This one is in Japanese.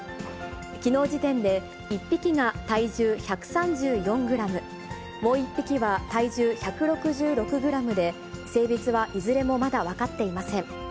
きのう時点で、１匹が体重１３４グラム、もう１匹は体重１６６グラムで、性別はいずれもまだ分かっていません。